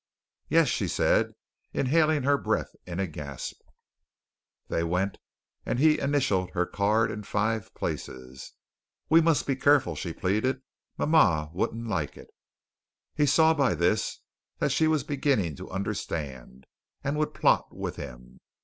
"Yes," she said, inhaling her breath in a gasp. They went, and he initialled her card in five places. "We must be careful," she pleaded. "Ma ma won't like it." He saw by this that she was beginning to understand, and would plot with him.